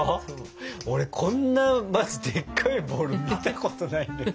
俺こんなまずでっかいボウル見たことないんだけど。